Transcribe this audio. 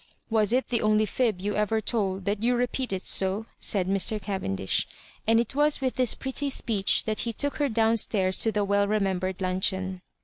"Was it the only fib you ever told that you repeat it so?" said Mr. Cavendish; and it was with this pretty speech that he took her down stairs to the well remembered luncheon.